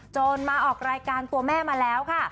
จนมาออกรายการตัวแม่มาแล้วค่ะ